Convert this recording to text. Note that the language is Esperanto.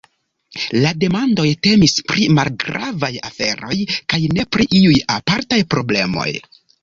La demandoj temis pri malgravaj aferoj kaj ne pri iuj apartaj problemoj.